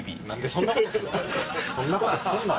そんな事すんなよ。